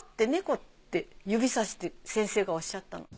指差して先生がおっしゃったの。